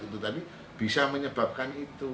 itu tadi bisa menyebabkan itu